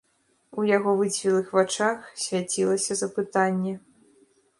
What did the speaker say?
У яго выцвілых вачах свяцілася запытанне.